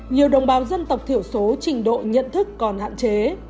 nhiều đồng bào dân tộc thiểu số trình độ nhận thức còn hạn chế